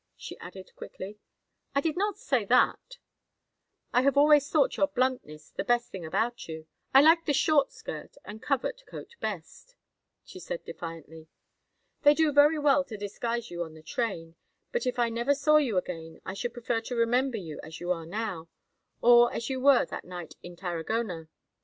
she added, quickly. "I did not say that." "I have always thought your bluntness the best thing about you—I like the short skirt and covert coat best," she said, defiantly. "They do very well to disguise you on the train; but if I never saw you again I should prefer to remember you as you are now—or as you were that night in Tarragona.